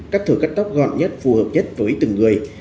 các thử cắt tóc gọn nhất phù hợp nhất với từng người